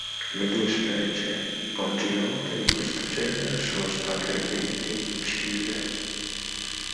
Le due specie oggi note di questo genere sono state reperite in Cile.